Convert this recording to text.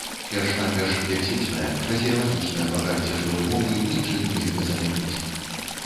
Перш-наперш лексічнае, фразеалагічнае багацце жывой мовы нічым нельга замяніць.